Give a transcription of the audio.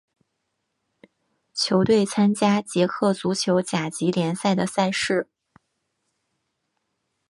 球队参加捷克足球甲级联赛的赛事。